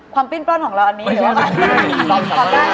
ปิ้นปล้นของเราอันนี้หรือว่า